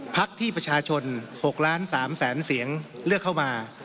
พักที่ประชาชน๖ล้าน๓แสนเสียงเลือกเข้ามา